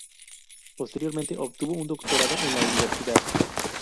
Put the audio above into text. Posteriormente obtuvo un doctorado en la Universidad.